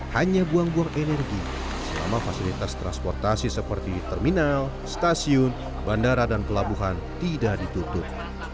hanya buang buang energi selama fasilitas transportasi seperti terminal stasiun bandara dan pelabuhan tidak ditutup